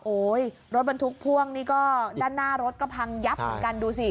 รถบรรทุกพ่วงนี่ก็ด้านหน้ารถก็พังยับเหมือนกันดูสิ